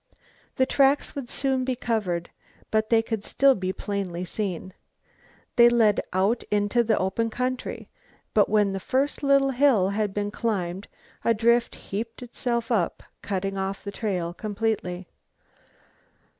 The tracks would soon be covered, but they could still be plainly seen. They led out into the open country, but when the first little hill had been climbed a drift heaped itself up, cutting off the trail completely.